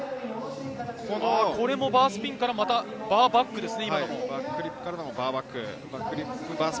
これもバースピンからバーバックですね。